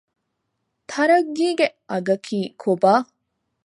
ތަރައްގީގެ އަގަކީ ކޮބާ؟